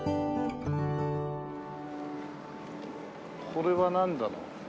これはなんだろう？